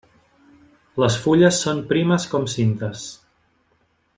Les fulles són primes com cintes.